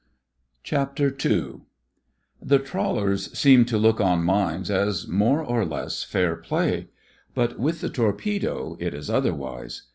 n THE AUXILIARIES The Trawlers seem to look on mines as more or less fairplay. But with the torpedo it is otherwise.